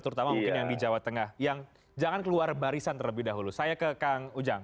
terutama mungkin yang di jawa tengah yang jangan keluar barisan terlebih dahulu saya ke kang ujang